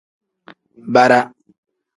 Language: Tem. Bara.